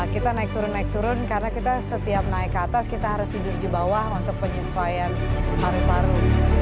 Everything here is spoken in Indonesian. kita naik turun naik turun karena kita setiap naik ke atas kita harus tidur di bawah untuk penyesuaian paru paru